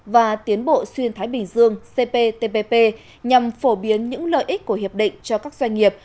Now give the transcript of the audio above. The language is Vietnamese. và tiến bộ xuyên thái bình dương cptpp nhằm phổ biến những lợi ích của hiệp định cho các doanh nghiệp